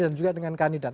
dan juga dengan kandidat